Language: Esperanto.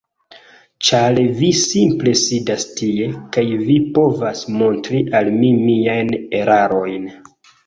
Ĉar vi simple sidas tie, kaj vi povas montri al mi miajn erarojn.